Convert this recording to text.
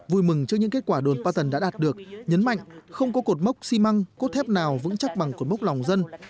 vui mừng trước những kết quả đồn patern đã đạt được nhấn mạnh không có cột mốc xi măng cốt thép nào vững chắc bằng cột mốc lòng dân